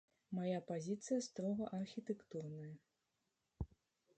Мая пазіцыя строга архітэктурная.